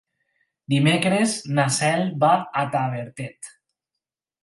Dimecres na Cel va a Tavertet.